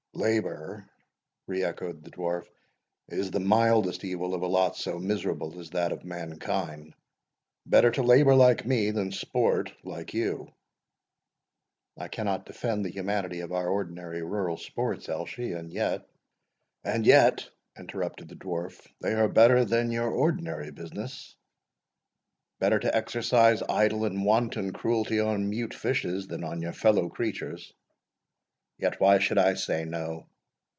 "Labour," re echoed the Dwarf, "is the mildest evil of a lot so miserable as that of mankind; better to labour like me, than sport like you." "I cannot defend the humanity of our ordinary rural sports, Elshie, and yet " "And yet," interrupted the Dwarf, "they are better than your ordinary business; better to exercise idle and wanton cruelty on mute fishes than on your fellow creatures. Yet why should I say so?